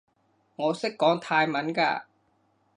我識講泰文㗎